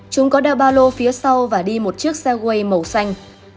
chúng có đeo ba lô phía sau và đi một chiếc xe way màu xanh